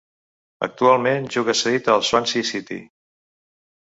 Actualment juga cedit al Swansea City.